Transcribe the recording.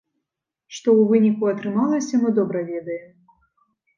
Што ў выніку атрымалася, мы добра ведаем.